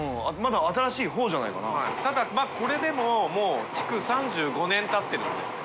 ただこれでももう曖械鞠たってるんですよ。